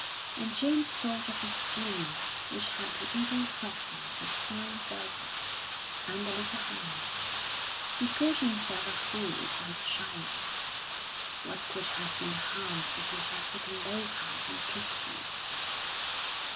And James thought of the skin which had the even softness of fine velvet, and the little hands. He called himself a fool for his shyness. What could have been the harm if he had taken those hands and kissed them?